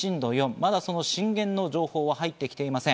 まだその震源の情報は入ってきていません。